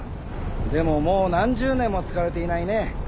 でももう何十年も使われていないね。